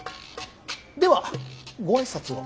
ではご挨拶を。